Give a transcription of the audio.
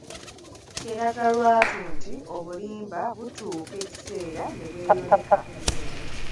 Kyeraga lwatu nti obulimba butuuka ekiseera ne bweyoleka.